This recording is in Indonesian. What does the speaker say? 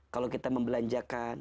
kalau kita membelanjakan